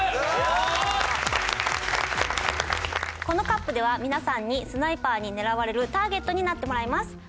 このＣＵＰでは皆さんにスナイパーに狙われるターゲットになってもらいます。